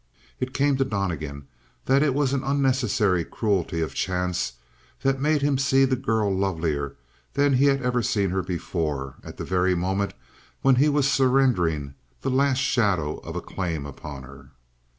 It came to Donnegan that it was an unnecessary cruelty of chance that made him see the girl lovelier than he had ever seen her before at the very moment when he was surrendering the last shadow of a claim upon her.